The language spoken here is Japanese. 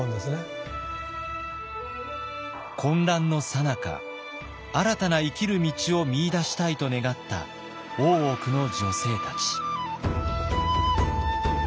混乱のさなか新たな生きる道を見いだしたいと願った大奥の女性たち。